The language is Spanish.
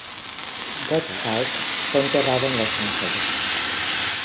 Gottschalk fue enterrado en el en Los Angeles.